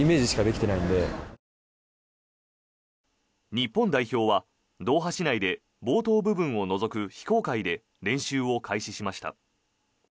日本代表はドーハ市内で冒頭部分を除く非公開で練習を開始しました。